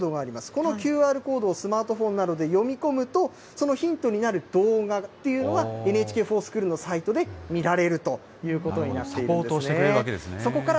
このＱＲコードをスマートフォンなどで読み込むと、そのヒントになる動画っていうのがＮＨＫｆｏｒＳｃｈｏｏｌのサイトで見られるということになっているんですサポートしてくれるわけです